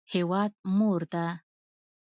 هیواد مور ده